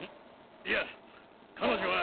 いや彼女は。